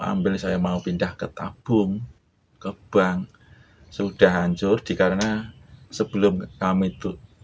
ambil saya mau pindah ke tabung ke bank sudah hancur dikarena sebelum kami itu